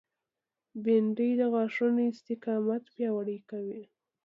بېنډۍ د غاښونو استقامت پیاوړی کوي